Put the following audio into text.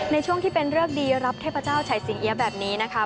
ในช่วงที่เป็นเลิกดีรับเทพเจ้าชัยสิงเอี๊ยะแบบนี้นะคะ